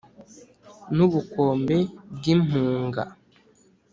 N’ubukombe bw’impunga